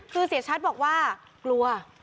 คือเสียชัดบอกว่ากลัว